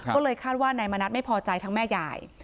ก็เลยคาดว่านายมณัฐไม่พอใจทั้งแม่ยาย